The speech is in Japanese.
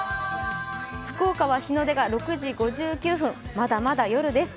福岡は日の出が６時５９分まだまだ夜です。